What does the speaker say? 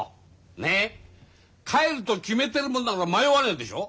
帰ると決めてるもんなら迷わねえでしょう？